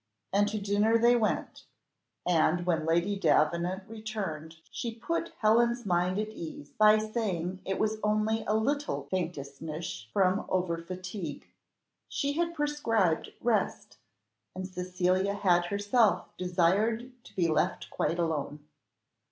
And to dinner they went, and when Lady Davenant returned she put Helen's mind at ease by saying it was only a little faintishness from over fatigue. She had prescribed rest, and Cecilia had herself desired to be left quite alone.